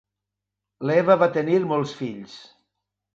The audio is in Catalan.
L'Eva va tenir molts fills.